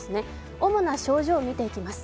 主な症状、見ていきます。